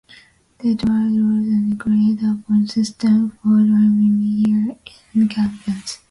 They drafted rules and created a point system for determining year-end champions.